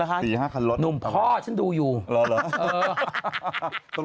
อะไรคะหนุ่มพ่อฉันดูอยู่เออ๔๕คันรถ